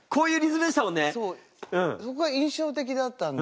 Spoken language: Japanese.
そうそこが印象的だったんで。